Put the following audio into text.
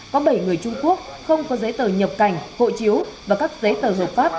có bảy người trung quốc không có giấy tờ nhập cảnh hộ chiếu và các giấy tờ hợp pháp